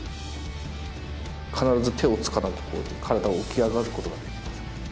必ず手をつかなきゃ体起き上がることができません。